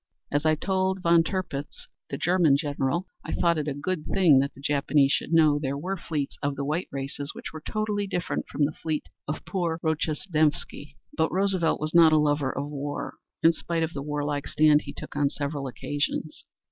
As I told Von Tirpitz (the German admiral), I thought it a good thing that the Japanese should know there were fleets of the white races which were totally different from the fleet of poor Rojestvensky." But Roosevelt was not a lover of war in spite of the warlike stand he took on several occasions.